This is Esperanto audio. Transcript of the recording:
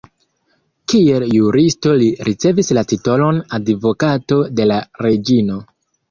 Kiel juristo li ricevis la titolon Advokato de la Reĝino.